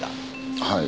はい。